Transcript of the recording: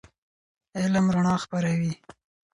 علم رڼا خپروي.